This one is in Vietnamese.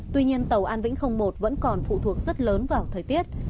tuy nhiên tàu an vĩnh một vẫn còn phụ thuộc rất lớn vào thời tiết